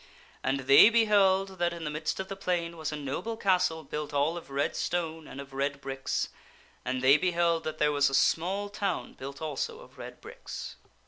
And they beheld that in the midst of the plain was a noble castle built all of red stone and of red bricks; and they beheld that there was a small town built also of red bricks.